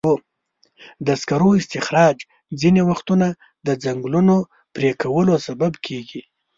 د سکرو استخراج ځینې وختونه د ځنګلونو پرېکولو سبب کېږي.